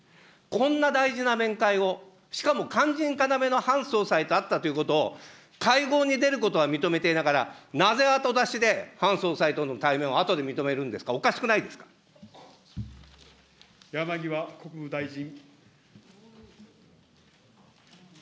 こんな大事な面会を、しかも肝心要のハン総裁と会ったということを、会合に出ることは認めていながら、なぜ後出しで、ハン総裁との対面をあとで認めるんですか、山際国務大臣。